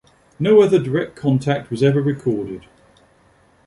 No other direct contact was ever recorded.